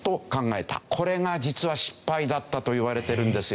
これが実は失敗だったといわれてるんですよ。